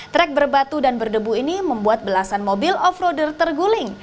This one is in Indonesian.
trek berbatu dan berdebu ini membuat belasan mobil off roader terguling